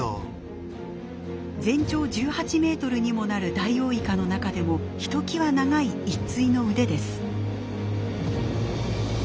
全長１８メートルにもなるダイオウイカの中でもひときわ長い一対の腕です。